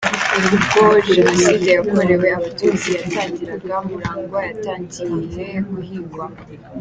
Ubwo Jenoside yakorewe Abatutsi yatangiraga, Murangwa yatangiye guhigwa.